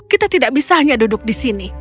kita tidak bisa hanya duduk di sini